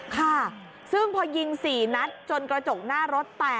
ค่ะซึ่งพอยิง๔นัดจนกระจกหน้ารถแตก